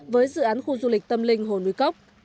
với dự án khu du lịch tâm linh hồ núi cốc